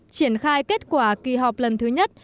triển khai kết quả kỳ họp lần thứ nhất